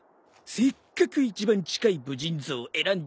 せっかく一番近い武人像を選んだのにっ！